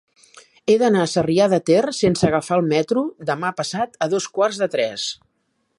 He d'anar a Sarrià de Ter sense agafar el metro demà passat a dos quarts de tres.